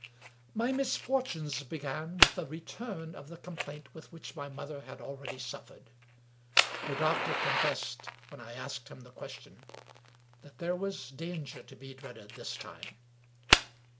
My misfortunes began with a return of the complaint with which my mother had already suffered. The doctor confessed, when I asked him the question, that there was danger to be dreaded this time.